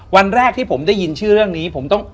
วันแรกที่ผมได้ยินชื่อเรื่องนี้ผมต้อง